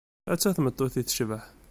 Atta tmeṭṭut i tecbeḥ!